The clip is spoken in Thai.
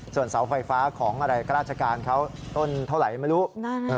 ส่วนเสาไฟฟ้าของอะไรก็ราชการเขาต้นเท่าไหร่ไม่รู้